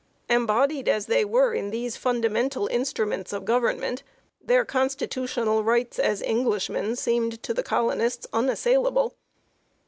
Embodied as they were in these fundamental instru ments of government their constitutional rights as Englishmen seemed to the colonists unassailable.